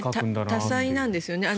多才なんですよね。